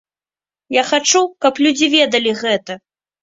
Я хачу, каб людзі ведалі гэта.